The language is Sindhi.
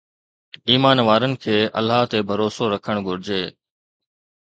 ايمان وارن کي الله تي ڀروسو رکڻ گهرجي